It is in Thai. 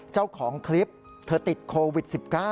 เจ้าของคลิปเธอติดโควิด๑๙